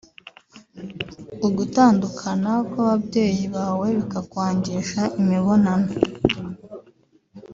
ugutandukana kw’ababyeyi bawe bikakwangisha imibonano